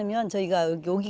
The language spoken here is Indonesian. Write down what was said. kami datang ke sekolah